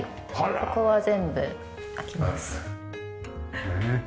ここは全部開きます。